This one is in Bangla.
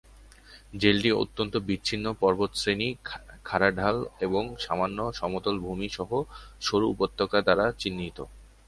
জেলাটি অত্যন্ত বিচ্ছিন্ন পর্বতশ্রেণী, খাড়া ঢাল এবং সামান্য সমতল ভূমি সহ সরু উপত্যকা দ্বারা চিহ্নিত।